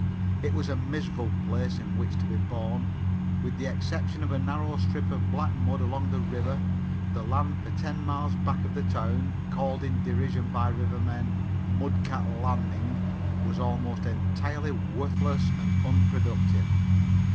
It was a miserable place in which to be born. With the exception of a narrow strip of black mud along the river, the land for ten miles back of the town called in derision by rivermen 'Mudcat Landing' was almost entirely worthless and unproductive.